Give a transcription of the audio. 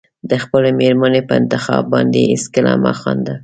د خپلې مېرمنې په انتخاب باندې هېڅکله مه خانده.